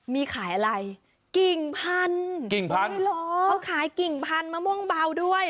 มีขายอะไรกิ่งพันกิ่งพันเขาขายกิ่งพันธมะม่วงเบาด้วย